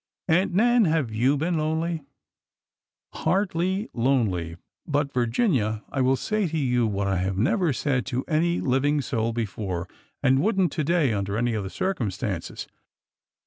Aunt Nan, have you been lonely? " Hardly lonely. But, Virginia, I will say to you what I have never said to any living soul before, and would n't to day under any other circumstances.